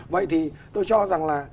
vậy thì tôi cho rằng là